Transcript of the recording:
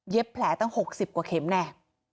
แผลตั้ง๖๐กว่าเข็มแน่